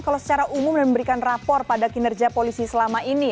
kalau secara umum dan memberikan rapor pada kinerja polisi selama ini